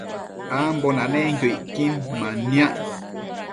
ambo nanenquio icquin manniac